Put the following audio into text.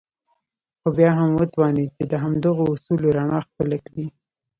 خو بيا هم وتوانېد چې د همدغو اصولو رڼا خپله کړي.